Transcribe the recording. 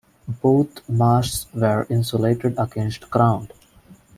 Both masts were insulated against ground.